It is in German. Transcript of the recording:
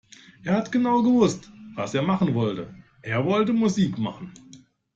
Er hat genau gewusst, was er machen wollte. Er wollte Musik machen.